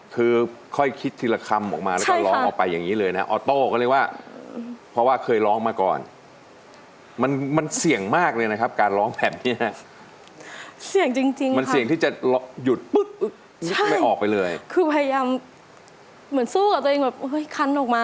คือค่อยคิดทีละคำออกมาแล้วก็ล้องออกไปอย่างนี้เลยนะออโตก็เลยว่า